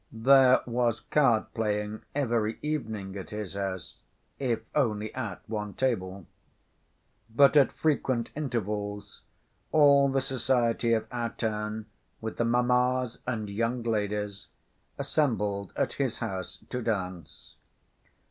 There was card‐playing every evening at his house, if only at one table. But at frequent intervals, all the society of our town, with the mammas and young ladies, assembled at his house to dance.